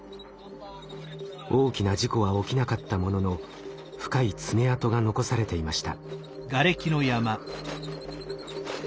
大きな事故は起きなかったものの深い爪痕が残されていました。